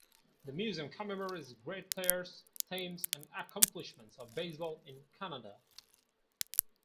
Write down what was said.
The museum commemorates great players, teams, and accomplishments of baseball in Canada.